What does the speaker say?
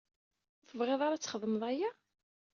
Ur tebɣiḍ ara ad txedmeḍ aya?